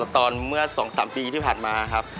เมื่อ๒๓ปีที่ผ่านมาครับ